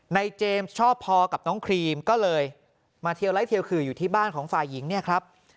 เจมส์ชอบพอกับน้องครีมก็เลยมาเทียวไลคเทียขื่ออยู่ที่บ้านของฝ่ายหญิงเนี่ยครับ